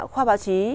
khoa báo chí